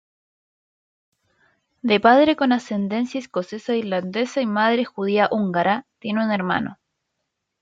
De padre con ascendencia escocesa e irlandesa y madre judía-húngara, tiene un hermano.